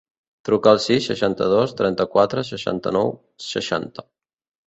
Truca al sis, seixanta-dos, trenta-quatre, seixanta-nou, seixanta.